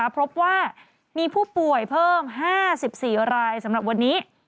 พบว่ามีผู้ป่วยเพิ่ม๕๔รายสำหรับวันนี้